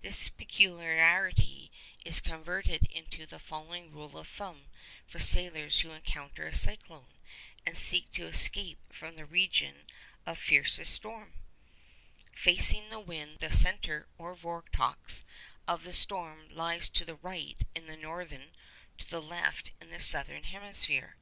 This peculiarity is converted into the following rule of thumb for sailors who encounter a cyclone, and seek to escape from the region of fiercest storm:—_Facing the wind, the centre or vortex of the storm lies to the right in the northern, to the left in the southern hemisphere_.